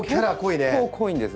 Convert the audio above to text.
結構濃いんです。